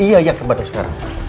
iya iya ke bandung sekarang